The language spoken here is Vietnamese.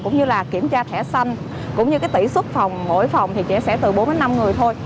cũng như kiểm tra thẻ xanh cũng như tỉ xuất phòng mỗi phòng sẽ từ bốn đến năm người thôi